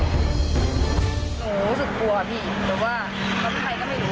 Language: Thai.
หนูรู้สึกกลัวอะพี่เหลือว่าเขาที่ไทยก็ไม่รู้อะ